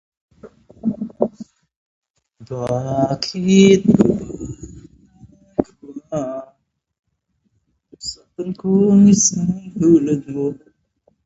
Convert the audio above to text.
Peter Bradshaw of "The Guardian" called Pedro Costa "the Samuel Beckett of cinema".